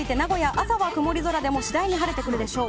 朝は曇り空でも次第に晴れてくるでしょう。